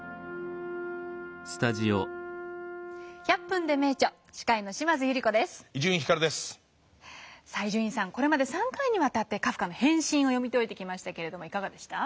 「１００分ｄｅ名著」司会のこれまで３回にわたってカフカの「変身」を読み解いてきましたけれどもいかがでした？